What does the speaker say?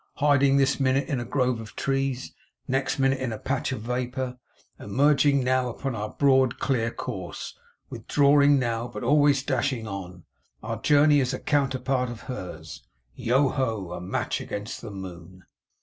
Hiding this minute in a grove of trees; next minute in a patch of vapour; emerging now upon our broad clear course; withdrawing now, but always dashing on, our journey is a counter part of hers. Yoho! A match against the Moon!